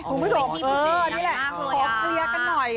ถูกมั้ยสองเออนี่แหละขอเคลียร์กันหน่อย